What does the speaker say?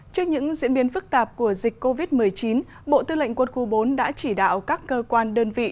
trước những diễn biến phức tạp của dịch covid một mươi chín bộ tư lệnh quân khu bốn đã chỉ đạo các cơ quan đơn vị